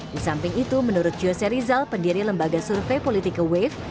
di samping itu menurut yose rizal pendiri lembaga survei politik kwave